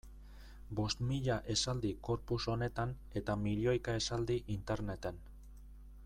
Bost mila esaldi corpus honetan eta milioika esaldi interneten.